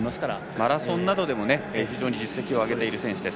マラソンなどでも非常に実績を挙げています。